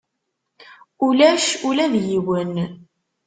Ulac ula d yiwen.